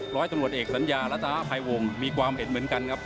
ร้อยตรงรวดเอกสัญญารัตราไพร์วงศ์มีความเหตุเหมือนกันครับ